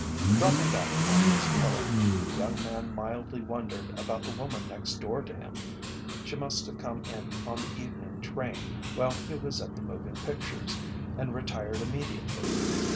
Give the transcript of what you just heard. Dropping back upon his pillow, the young man mildly wondered about the woman next door to him. She must have come in on the evening train while he was at the moving pictures, and retired immediately.